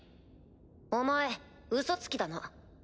お前ウソつきだな。